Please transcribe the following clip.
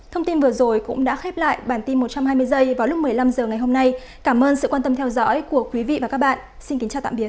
thông tin vừa rồi cũng đã khép lại bản tin một trăm hai mươi h vào lúc một mươi năm h ngày hôm nay cảm ơn sự quan tâm theo dõi của quý vị và các bạn xin kính chào tạm biệt